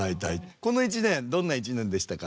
この１年どんな１年でしたか？